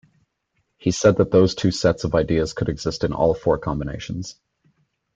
He said that those two sets of ideas could exist in all four combinations.